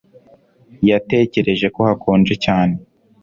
yatekereje ko hakonje cyane